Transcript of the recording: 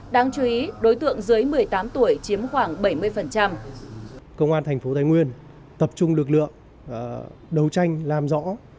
đáng chú ý đối tượng dưới một mươi tám tuổi chiếm khoảng bảy mươi